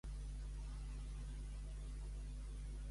Totes les veritats són pas bones a dir.